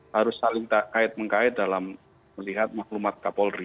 harus saling kait mengkait dalam melihat maklumat kapolri